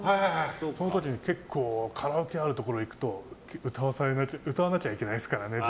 その時にカラオケにあるところ行くと歌わなきゃいけないですからね。